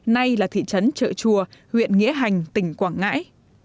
nay là thị trấn trợ chùa huyện nghĩa hành tỉnh quảng ngãi